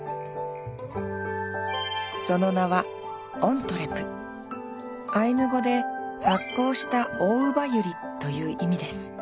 その名はアイヌ語で「発酵したオオウバユリ」という意味です。